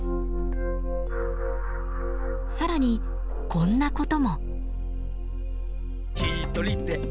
更にこんなことも。